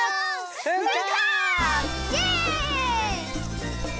すっごい！